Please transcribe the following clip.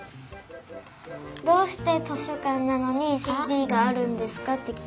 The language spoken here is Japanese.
どうして図書かんなのにＣＤがあるんですか？ってききたい。